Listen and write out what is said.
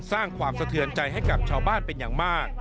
สร้างความสะเทือนใจให้กับชาวบ้านเป็นอย่างมาก